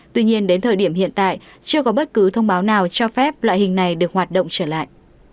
tuy nhiên đến thời điểm hiện tại chưa có bất cứ thông báo nào cho phép loại hình này được hoạt động trở lại